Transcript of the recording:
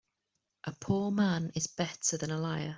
A poor man is better than a liar.